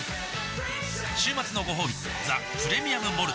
週末のごほうび「ザ・プレミアム・モルツ」